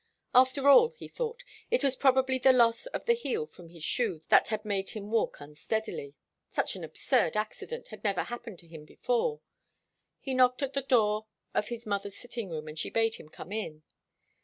After all, he thought, it was probably the loss of the heel from his shoe that had made him walk unsteadily. Such an absurd accident had never happened to him before. He knocked at the door of his mother's sitting room, and she bade him come in.